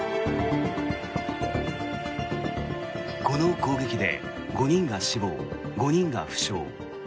この攻撃で５人が死亡５人が負傷。